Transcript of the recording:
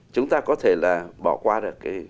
chúng ta có thể là bỏ qua được cái